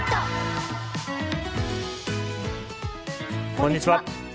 こんにちは。